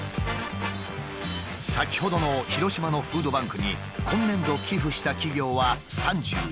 先ほどの広島のフードバンクに今年度寄付した企業は３１社。